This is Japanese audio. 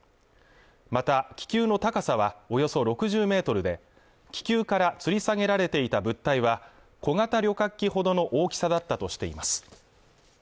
また気球の高さはおよそ６０メートルで気球から吊り下げられていた物体は小型旅客機ほどの大きさだったとしています